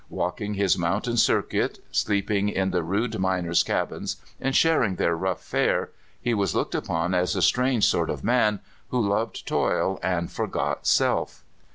Walking his mountain circuit, sleeping in the rude miners' cabins, and sharing their rough fare, he was looked upon as a strange sort of man, who loved toil and forgot self.